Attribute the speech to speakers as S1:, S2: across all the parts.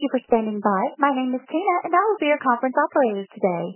S1: Thank you for standing by. My name is Tina, and I will be your conference operator today.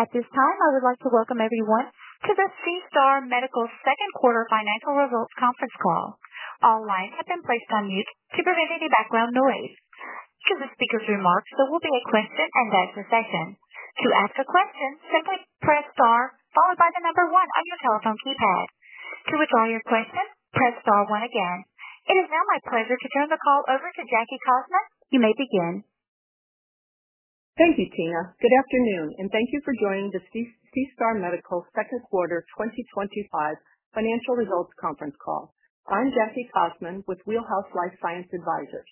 S1: At this time, I would like to welcome everyone to the SeaStar Medical Second Quarter Financial Result Conference Call. All lines have been placed on mute to prevent any background noise. Following the speaker's remarks, there will be a question and answer session. To ask a question, simply press star followed by the number one on your telephone keypad. To withdraw your question, press star one again. It is now my pleasure to turn the call over to Jackie Cossmon. You may begin.
S2: Thank you, Tina. Good afternoon, and thank you for joining the SeaStar Medical Second Quarter 2025 Financial Results Conference Call. I'm Jackie Cossmon with Wheelhouse Life Science Advisors.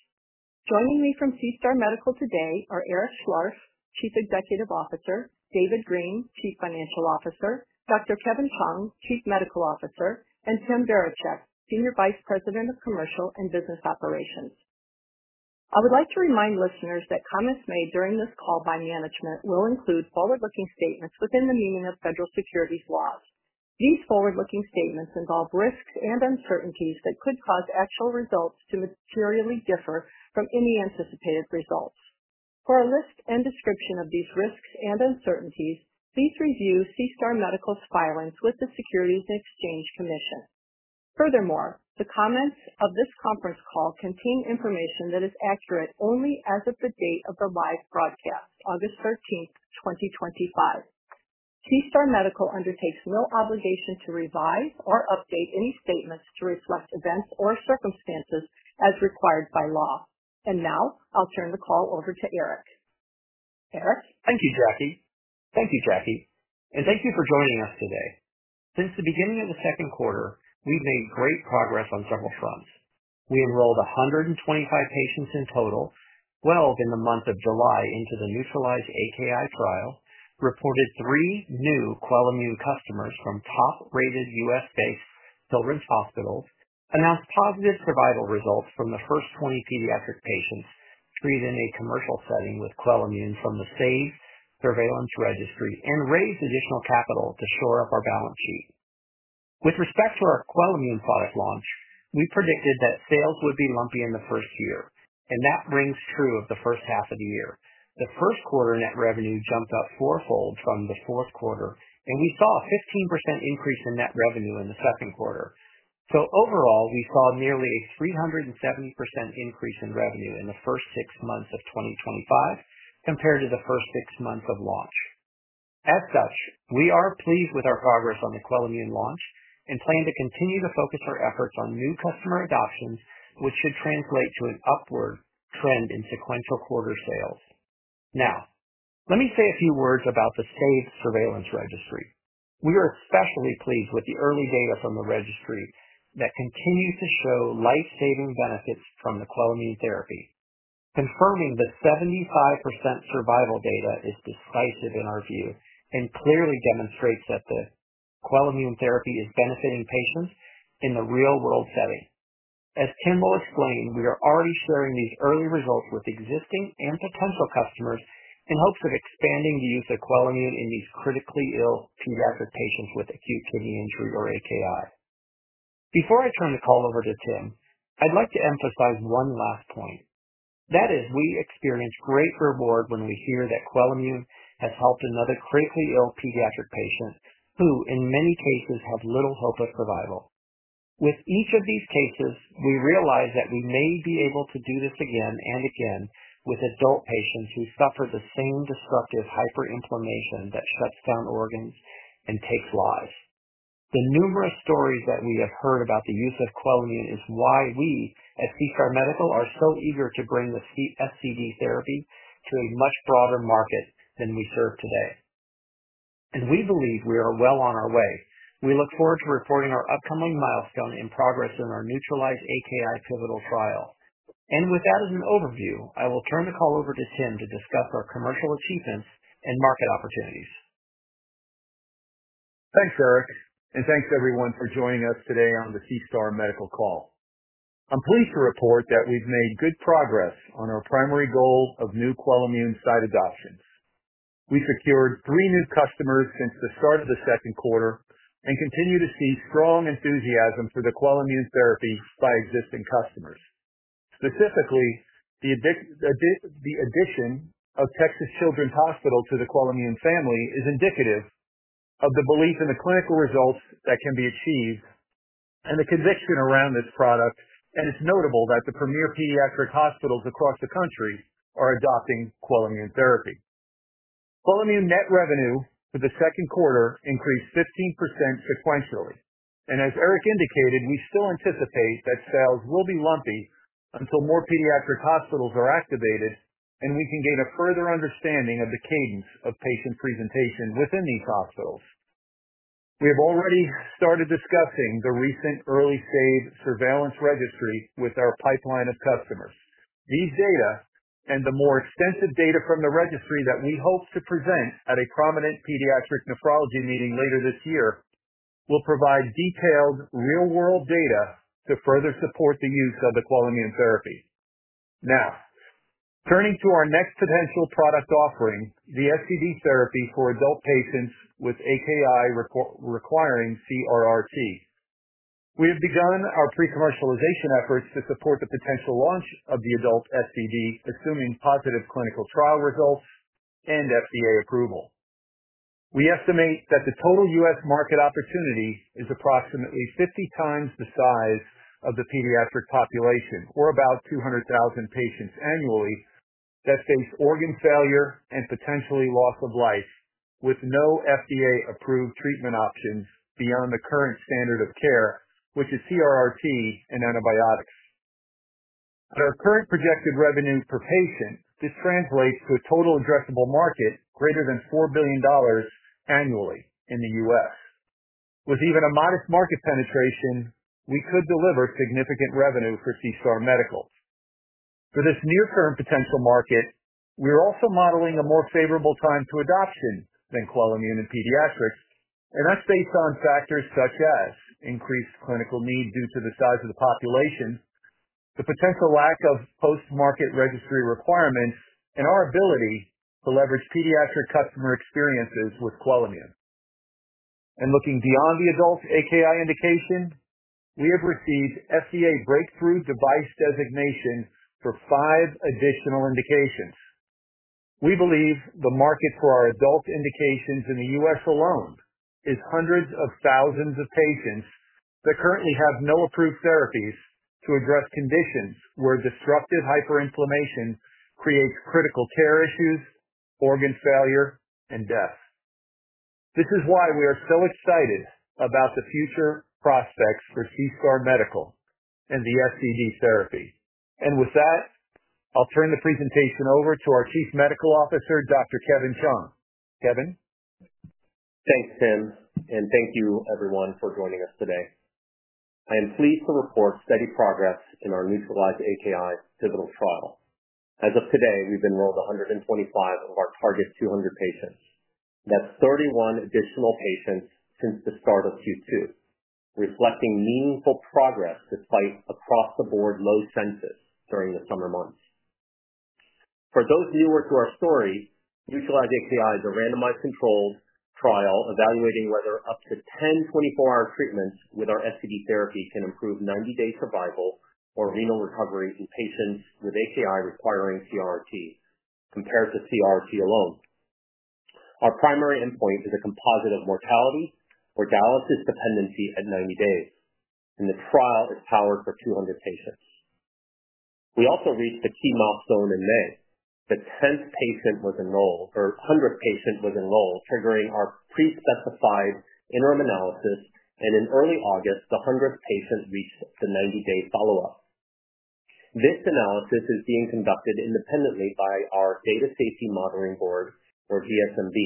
S2: Joining me from SeaStar Medical today are Eric Schlorff, Chief Executive Officer, David Green, Chief Financial Officer, Dr. Kevin Chung, Chief Medical Officer, and Tim Varacek, Senior Vice President of Commercial and Business Operations. I would like to remind listeners that comments made during this call by management will include forward-looking statements within the meaning of federal securities laws. These forward-looking statements involve risks and uncertainties that could cause actual results to materially differ from any anticipated results. For a list and description of these risks and uncertainties, please review SeaStar Medical's filings with the Securities and Exchange Commission. Furthermore, the comments of this conference call contain information that is accurate only as of the date of the live broadcast, August 13, 2025. SeaStar Medical undertakes no obligation to revise or update any statements to reflect events or circumstances as required by law. Now, I'll turn the call over to Eric. Eric.
S3: Thank you, Jackie. Thank you, Jackie. And thank you for joining us today. Since the beginning of the second quarter, we've made great progress on several fronts. We enrolled 125 patients in total, 12 in the month of July into the NEUTRALIZE-AKI trial, reported three new QUELIMMUNE customers from top-rated U.S.-based children's hospitals, announced positive survival results from the first 20 pediatric patients treated in a commercial setting with QUELIMMUNE from the SAVE Surveillance Registry, and raised additional capital to shore up our balance sheet. With respect to our QUELIMMUNE product launch, we predicted that sales would be lumpy in the first year, and that rings true of the first half of the year. The first quarter net revenue jumped up fourfold from the fourth quarter, and we saw a 15% increase in net revenue in the second quarter. Overall, we saw nearly a 370% increase in revenue in the first six months of 2025 compared to the first six months of launch. As such, we are pleased with our progress on the QUELIMMUNE launch and plan to continue to focus our efforts on new customer adoption, which could translate to an upward trend in sequential quarter sales. Now, let me say a few words about the SAVE Surveillance Registry. We are especially pleased with the early data from the registry that continues to show life-saving benefits from the QUELIMMUNE therapy. Confirming the 75% survival data is decisive in our view and clearly demonstrates that the QUELIMMUNE therapy is benefiting patients in the real-world setting. As Tim will explain, we are already sharing these early results with existing and potential customers in hopes of expanding the use of QUELIMMUNE in these critically ill pediatric patients with acute kidney injury or AKI. Before I turn the call over to Tim, I'd like to emphasize one last point. That is, we experience great reward when we hear that QUELIMMUNE has helped another critically ill pediatric patient who, in many cases, had little hope of survival. With each of these cases, we realize that we may be able to do this again and again with adult patients who suffer the same destructive hyperinflammation that shuts down organs and takes lives. The numerous stories that we have heard about the use of QUELIMMUNE is why we, at SeaStar Medical, are so eager to bring the SCD therapy to a much broader market than we serve today. We believe we are well on our way. We look forward to reporting our upcoming milestone in progress during our NEUTRALIZE-AKI pivotal trial. With that as an overview, I will turn the call over to Tim to discuss our commercial achievements and market opportunities.
S4: Thanks, Eric, and thanks everyone for joining us today on the SeaStar Medical call. I'm pleased to report that we've made good progress on our primary goal of new QUELIMMUNE site adoptions. We secured three new customers since the start of the second quarter and continue to see strong enthusiasm for the QUELIMMUNE therapy by existing customers. Specifically, the addition of Texas Children's Hospital to the QUELIMMUNE family is indicative of the belief in the clinical results that can be achieved and the conviction around this product. It's notable that the premier pediatric hospitals across the country are adopting QUELIMMUNE therapy. QUELIMMUNE net revenue for the second quarter increased 15% sequentially. As Eric indicated, we still anticipate that sales will be lumpy until more pediatric hospitals are activated and we can gain a further understanding of the cadence of patient presentation within these hospitals. We have already started discussing the recent early SAVE Surveillance Registry with our pipeline of customers. These data and the more extensive data from the registry that we hope to present at a prominent pediatric nephrology meeting later this year will provide detailed real-world data to further support the use of the QUELIMMUNE therapy. Now, turning to our next potential product offering, the SCD therapy for adult patients with AKI requiring CRRT. We have begun our pre-commercialization efforts to support the potential launch of the adult SCD, assuming positive clinical trial results and FDA approval. We estimate that the total U.S. market opportunity is approximately 50x the size of the pediatric population, or about 200,000 patients annually, that face organ failure and potentially loss of life with no FDA-approved treatment options beyond the current standard of care, which is CRRT and antibiotics. At our current projected revenue per patient, this translates to a total addressable market greater than $4 billion annually in the U.S. With even a modest market penetration, we could deliver significant revenue for SeaStar Medical. For this near-term potential market, we are also modeling a more favorable time to adoption than QUELIMMUNE in pediatrics, based on factors such as increased clinical need due to the size of the population, the potential lack of post-market registry requirements, and our ability to leverage pediatric customer experiences with QUELIMMUNE. Looking beyond the adult AKI indication, we have received FDA breakthrough device designation for five additional indications. We believe the market for our adult indications in the U.S. alone is hundreds of thousands of patients that currently have no approved therapies to address conditions where destructive hyperinflammation creates critical care issues, organ failure, and death. This is why we are so excited about the future prospects for SeaStar Medical and the SCD therapy. With that, I'll turn the presentation over to our Chief Medical Officer, Dr. Kevin Chung. Kevin.
S5: Thanks, Tim, and thank you everyone for joining us today. I am pleased to report steady progress in our NEUTRALIZE-AKI pivotal trial. As of today, we've enrolled 125 of our target 200 patients. That's 31 additional patients since the start of Q2, reflecting meaningful progress despite across-the-board low census during the summer months. For those newer to our story, NEUTRALIZE-AKI is a randomized controlled trial evaluating whether up to 10 24-hour treatments with our SCD therapy can improve 90-day survival or renal recovery in patients with AKI requiring CRRT compared to CRRT alone. Our primary endpoint is a composite of mortality or dialysis dependency at 90 days, and the trial is powered for 200 patients. We also reached a key milestone in May. The 100th patient was enrolled, triggering our pre-specified interim analysis, and in early August, the 100th patient reached the 90-day follow-up. This analysis is being conducted independently by our Data Safety Monitoring Board, or DSMB,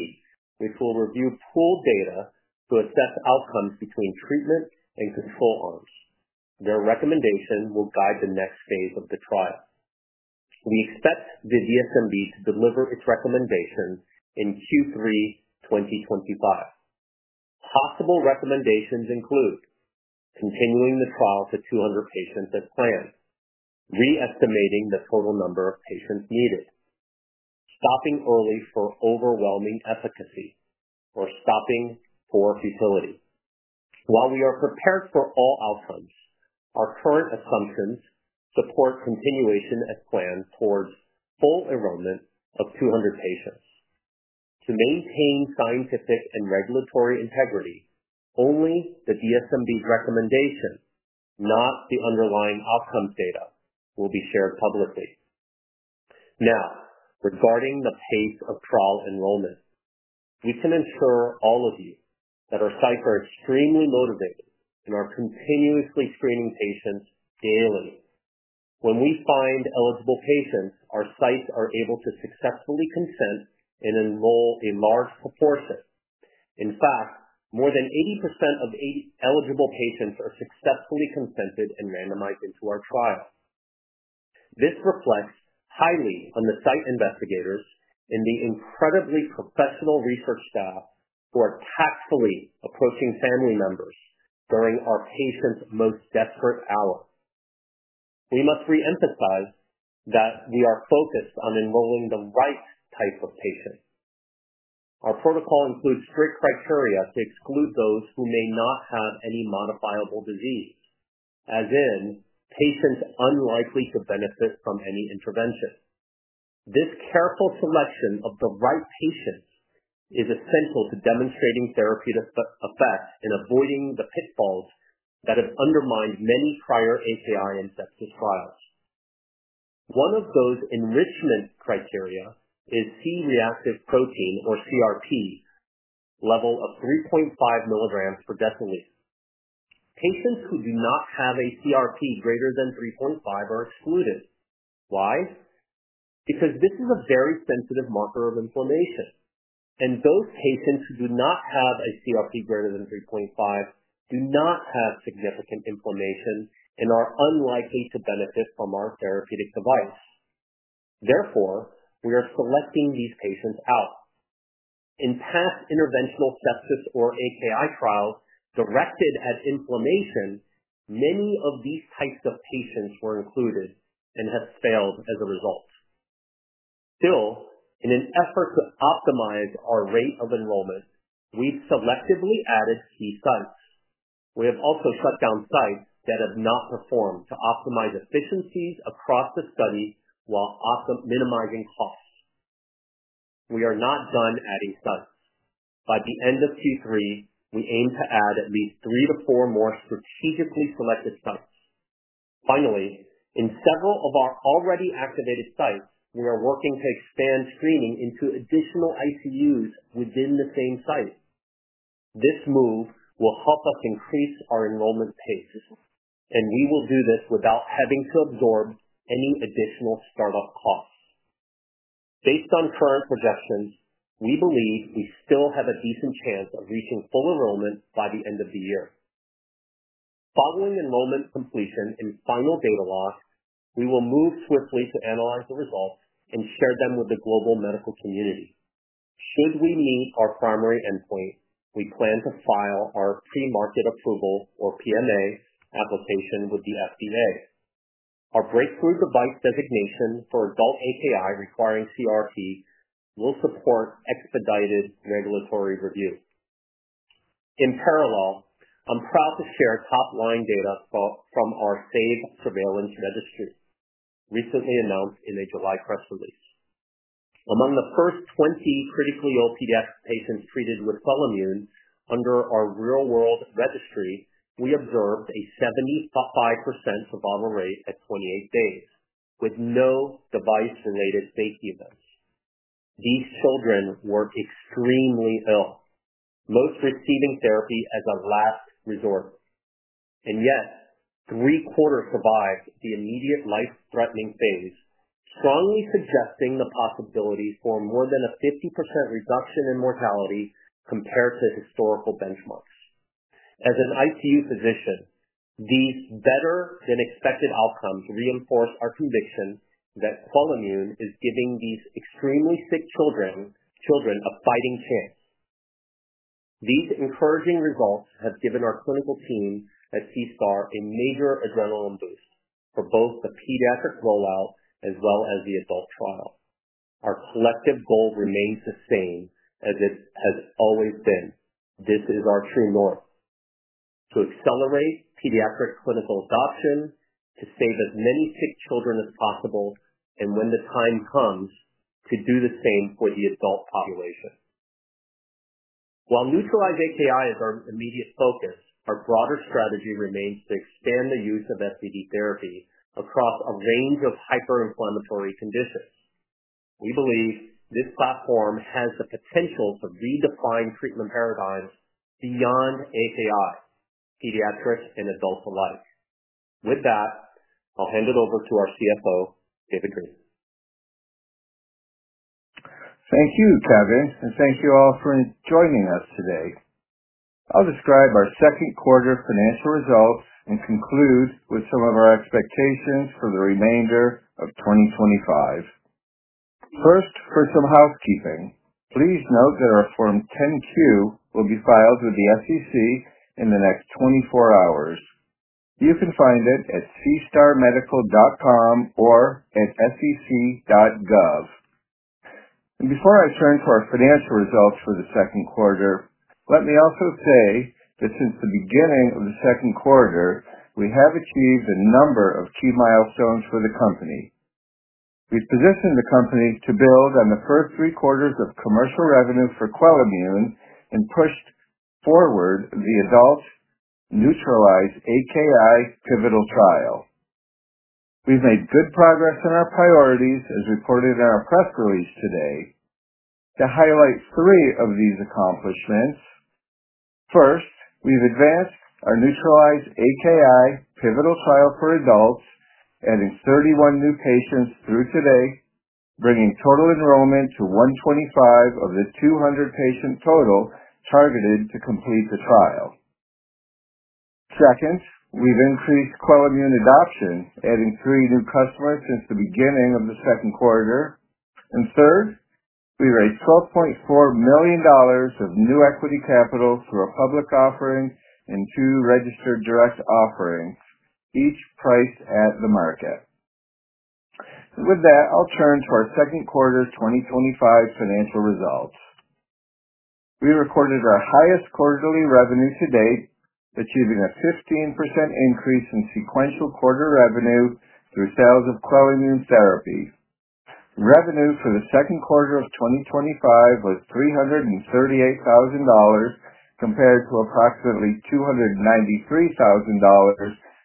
S5: which will review pooled data to assess outcomes between treatment and control arms. Their recommendation will guide the next phase of the trial. We expect the DSMB to deliver its recommendation in Q3 2025. Possible recommendations include continuing the trial to 200 patients as planned, re-estimating the total number of patients needed, stopping early for overwhelming efficacy, or stopping for futility. While we are prepared for all outcomes, our current assumptions support continuation as planned towards full enrollment of 200 patients. To maintain scientific and regulatory integrity, only the DSMB's recommendation, not the underlying outcomes data, will be shared publicly. Now, regarding the pace of trial enrollment, we can ensure all of you that our sites are extremely motivated and are continuously screening patients daily. When we find eligible patients, our sites are able to successfully consent and enroll a large proportion. In fact, more than 80% of eligible patients are successfully consented and randomized into our trial. This reflects high need on the site investigators and the incredibly professional research staff who are tactfully approaching family members during our patients' most desperate hours. We must reemphasize that we are focused on enrolling the right type of patient. Our protocol includes strict criteria to exclude those who may not have any modifiable disease, as in patients unlikely to benefit from any intervention. This careful selection of the right patient is essential to demonstrating therapeutic effects and avoiding the pitfalls that have undermined many prior AKI and sepsis trials. One of those enrichment criteria is C-reactive protein, or CRP, level of 3.5 mg/dL. Patients who do not have a CRP greater than 3.5 mg/dL are excluded. Why? Because this is a very sensitive marker of inflammation. Those patients who do not have a CRP greater than 3.5 mg/dL do not have significant inflammation and are unlikely to benefit from our therapeutic device. Therefore, we are selecting these patients out. In past interventional sepsis or AKI trials directed at inflammation, many of these types of patients were included and have failed as a result. Still, in an effort to optimize our rate of enrollment, we've selectively added key sites. We have also shut down sites that have not performed to optimize efficiencies across the study while minimizing costs. We are not done adding sites. By the end of Q3, we aim to add at least three to four more strategically selected sites. Finally, in several of our already activated sites, we are working to expand screening into additional ICUs within the same site. This move will help us increase our enrollment paces, and we will do this without having to absorb any additional start-up costs. Based on current projections, we believe we still have a decent chance of reaching full enrollment by the end of the year. Following enrollment completion and final data loss, we will move swiftly to analyze the results and share them with the global medical community. Should we meet our primary endpoint, we plan to file our pre-market approval, or PMA, application with the FDA. Our breakthrough device designation for adult AKI requiring CRRT will support expedited regulatory review. In parallel, I'm proud to share top line data from our SAVE Surveillance Registry, recently announced in a July press release. Among the first 20 critically ill pediatric patients treated with QUELIMMUNE under our real-world registry, we observed a 75% survival rate at 28 days with no device-related safety events. These children were extremely ill, most receiving therapy as a last resort. Yet, three quarters survived the immediate life-threatening phase, strongly suggesting the possibilities for more than a 50% reduction in mortality compared to historical benchmarks. As an ICU physician, these better-than-expected outcomes reinforce our conviction that QUELIMMUNE is giving these extremely sick children a fighting chance. These encouraging results have given our clinical team at SeaStar a major adrenaline boost for both the pediatric rollout as well as the adult trial. Our collective goal remains the same as it has always been. This is our true north: to accelerate pediatric clinical adoption, to save as many sick children as possible, and when the time comes, to do the same for the adult population. While NEUTRALIZE-AKI is our immediate focus, our broader strategy remains to expand the use of SCD therapy across a range of hyperinflammatory conditions. We believe this platform has the potential to redefine treatment paradigms beyond AKI, pediatric and adults alike. With that, I'll hand it over to our CFO, David Green.
S6: Thank you, Kevin, and thank you all for joining us today. I'll describe our second quarter financial results and conclude with some of our expectations for the remainder of 2025. First, for some housekeeping, please note that our Form 10-Q will be filed with the SEC in the next 24 hours. You can find it at seastarmedical.com or at sec.gov. Before I turn to our financial results for the second quarter, let me also say that since the beginning of the second quarter, we have achieved a number of key milestones for the company. We've positioned the company to build on the first three quarters of commercial revenue for QUELIMMUNE and pushed forward with the adult NEUTRALIZE-AKI pivotal trial. We've made good progress on our priorities, as reported in our press release today, to highlight three of these accomplishments. First, we've advanced our NEUTRALIZE-AKI pivotal trial for adults, adding 31 new patients through today, bringing total enrollment to 125 of the 200-patient total targeted to complete the trial. Second, we've increased QUELIMMUNE adoption, adding three new customers since the beginning of the second quarter. Third, we raised $12.4 million of new equity capital through a public offering and two registered direct offerings, each priced at the market. With that, I'll turn to our second quarter 2025 financial results. We recorded our highest quarterly revenue to date, achieving a 15% increase in sequential quarter revenue through sales of QUELIMMUNE therapy. Revenue for the second quarter of 2025 was $338,000 compared to approximately $293,000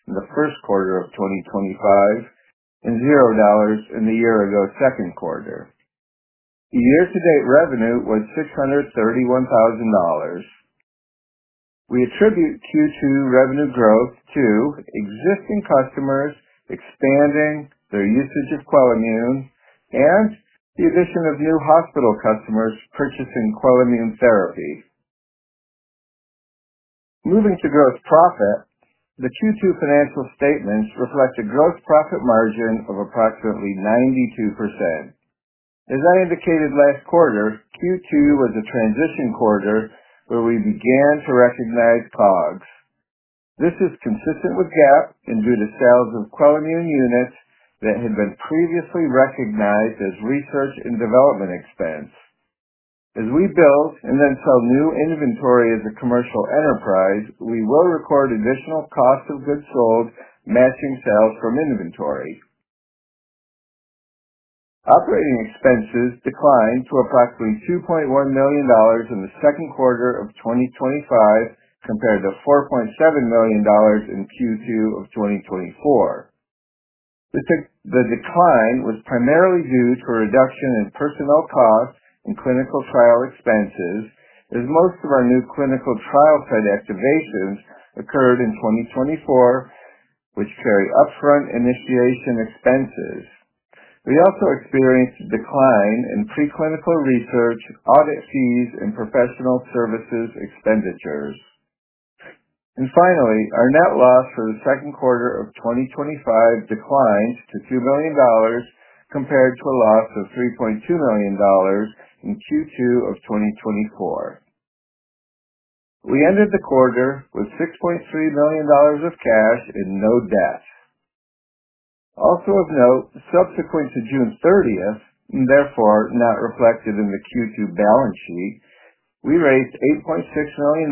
S6: in the first quarter of 2025 and $0 in the year-ago second quarter. The year-to-date revenue was $631,000. We attribute Q2 revenue growth to existing customers expanding their usage of QUELIMMUNE and the addition of new hospital customers purchasing QUELIMMUNE therapy. Moving to gross profit, the Q2 financial statements reflect a gross profit margin of approximately 92%. As I indicated last quarter, Q2 was a transition quarter where we began to recognize COGS. This is consistent with GAAP and due to sales of QUELIMMUNE units that had been previously recognized as research and development expense. As we build and then sell new inventory as a commercial enterprise, we will record additional costs of goods sold matching sales from inventory. Operating expenses declined to approximately $2.1 million in the second quarter of 2025 compared to $4.7 million in Q2 of 2024. The decline was primarily due to a reduction in personnel costs and clinical trial expenses, as most of our new clinical trial site activations occurred in 2024, which carry upfront initiation expenses. We also experienced a decline in preclinical research, audit fees, and professional services expenditures. Finally, our net loss for the second quarter of 2025 declined to $2 million compared to a loss of $3.2 million in Q2 of 2024. We ended the quarter with $6.3 million of cash and no debt. Also of note, subsequent to June 30, and therefore not reflected in the Q2 balance sheet, we raised $8.6 million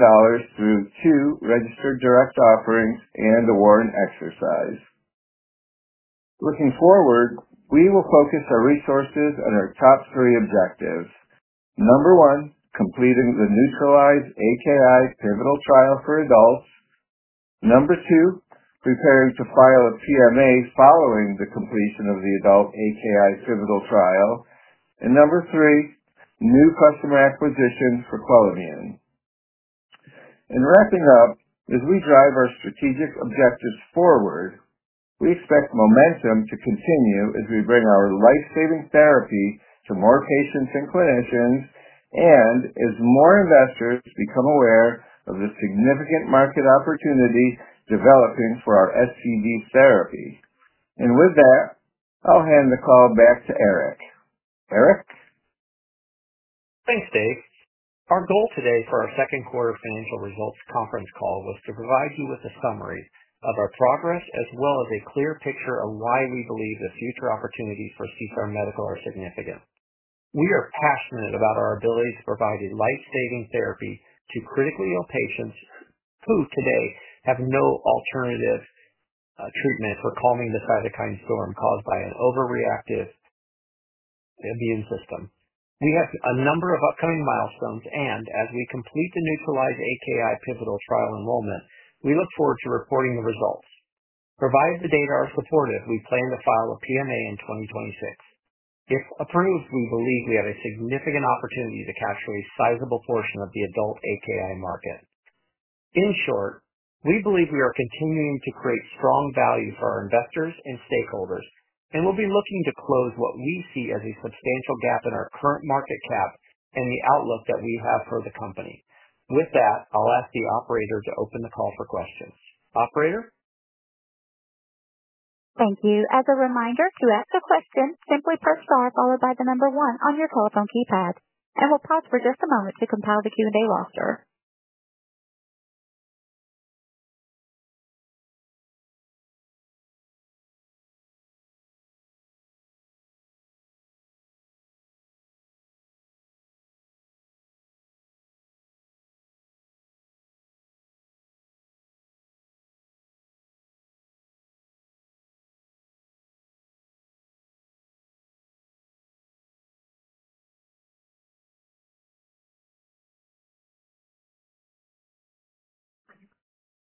S6: through two registered direct offerings and a warrant exercise. Looking forward, we will focus our resources on our top three objectives: number one, completing the NEUTRALIZE-AKI pivotal trial for adults; number two, preparing to file a PMA following the completion of the adult AKI pivotal trial; and number three, new customer acquisitions for QUELIMMUNE. Wrapping up, as we drive our strategic objectives forward, we expect momentum to continue as we bring our life-saving therapy to more patients and clinicians and as more investors become aware of the significant market opportunity developing for our SCD therapy. With that, I'll hand the call back to Eric. Eric?
S3: Thanks, Dave. Our goal today for our second quarter financial results conference call was to provide you with a summary of our progress as well as a clear picture of why we believe the future opportunities for SeaStar Medical are significant. We are fascinated about our ability to provide a life-saving therapy to critically ill patients who today have no alternative treatment for calming the cytokine storm caused by an overreactive immune system. We have a number of upcoming milestones, and as we complete the NEUTRALIZE-AKI pivotal trial enrollment, we look forward to reporting the results. Provided the data are supportive, we plan to file a PMA in 2026. If approved, we believe we have a significant opportunity to capture a sizable portion of the adult AKI market. In short, we believe we are continuing to create strong value for our investors and stakeholders and will be looking to close what we see as a substantial gap in our current market cap and the outlook that we have for the company. With that, I'll ask the operator to open the call for questions. Operator?
S1: Thank you. As a reminder, to ask a question, simply press star followed by the number one on your telephone keypad. We'll pause for just a moment to compile the Q&A roster.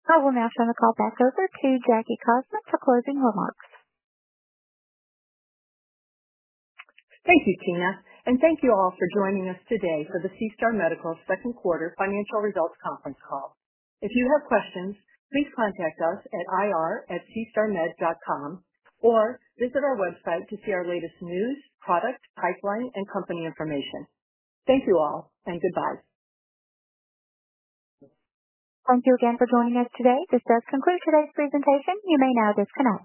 S1: We'll now send the call back over to Jackie Cossmon for closing remarks.
S2: Thank you, Tina. Thank you all for joining us today for the SeaStar Medical Second Quarter Financial Results Conference Call. If you have questions, please contact us at ir@seastarmed.com or visit our website to see our latest news, products, pipeline, and company information. Thank you all and goodbye.
S1: Thank you again for joining us today. This does conclude today's presentation. You may now disconnect.